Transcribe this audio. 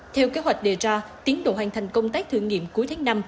theo kế hoạch đề ra tiến độ hoàn thành công tác thử nghiệm cuối tháng năm